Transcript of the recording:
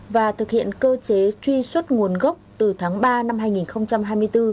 và thực hiện cơ chế truy xuất nguồn gốc từ tháng ba năm hai nghìn hai mươi bốn